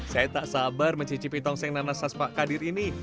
saya tak sabar mencicipi tongseng nanas saspa kadir ini